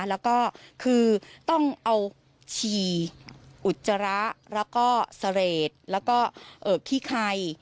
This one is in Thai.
แล้วก็คือต้องเอาฉี่อุจระแล้วก็เสรดแล้วก็ขี้ไข่